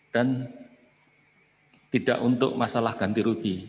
dan tidak untuk masalah ganti rugi